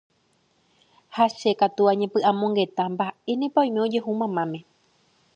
ha che katu añepy'amongeta mba'énepa oime ojehu mamáme